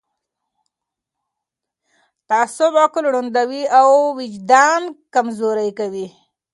تعصب عقل ړندوي او وجدان کمزوری کوي